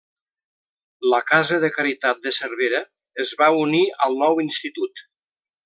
La Casa de Caritat de Cervera es va unir al nou institut.